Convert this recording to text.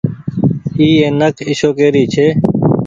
اي اينڪ اشوڪي ري ڇي۔